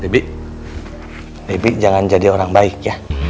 bibi jangan jadi orang baik ya